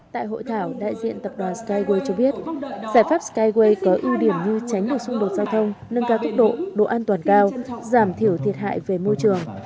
tại hội thảo đại diện tập đoàn skywe cho biết giải pháp skyway có ưu điểm như tránh được xung đột giao thông nâng cao tốc độ độ an toàn cao giảm thiểu thiệt hại về môi trường